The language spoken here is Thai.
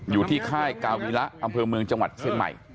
อยู่ที่ค่ายกาวีระอำเภอเมืองจังหวัดเชียงใหม่